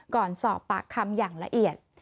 ก่อนสอบปากคำอย่างละเอียด